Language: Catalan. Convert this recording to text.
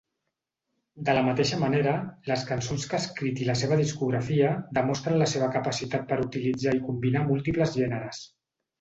De la mateixa manera, les cançons que ha escrit i la seva discografia demostren la seva capacitat per utilitzar i combinar múltiples gèneres.